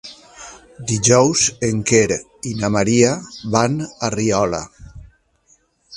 Dijous en Quer i na Maria van a Riola.